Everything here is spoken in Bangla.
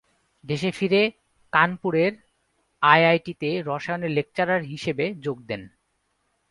দেশে ফিরে কানপুরের আইআইটি তে রসায়নের লেকচারার হিসাবে যোগ দেন।